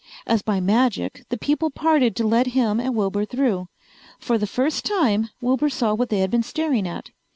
As by magic the people parted to let him and Wilbur through. For the first time Wilbur saw what they had been staring at.